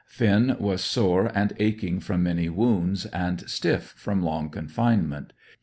Finn was sore and aching from many wounds, and stiff from long confinement.